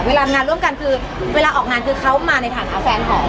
เวลางานร่วมกันคือเวลาออกงานคือเขามาในฐานะแฟนของ